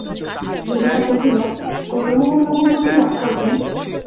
ললিতা কহিল, গৌরমোহনবাবু বুঝি রাগ করবেন?